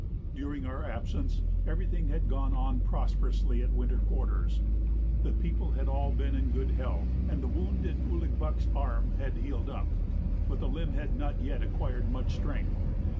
During our absence every thing, had gone on prosperously at winter quarters. The people had been all in good health, and the wound in Ouligbuck's arm had healed up, but the limb had not yet acquired much strength.